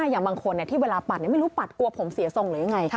อย่างบางคนที่เวลาปัดไม่รู้ปัดกลัวผมเสียทรงหรือยังไง